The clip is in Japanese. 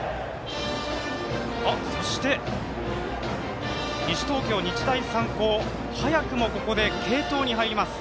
そして、西東京、日大三高早くも、ここで継投に入ります。